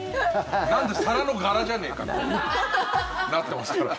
なんだよ、皿の柄じゃねえかみたいになってますから。